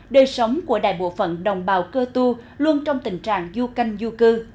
đời sống của đại bộ phận đồng bào cơ tu luôn trong tình trạng du canh du cư